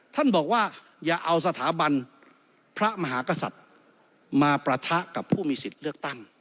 ท่านบอกว่าอย่าเอาสถาบันพระมหากษัตริย์มาปะทะกับผู้มีสิทธิ์เลือกตั้ง